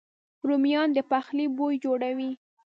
رومیان د پخلي بوی جوړوي